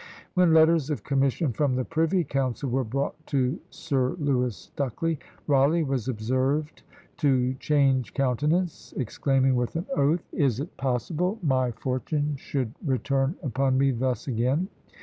When letters of commission from the Privy Council were brought to Sir Lewis Stucley, Rawleigh was observed to change countenance, exclaiming with an oath, "Is it possible my fortune should return upon me thus again?"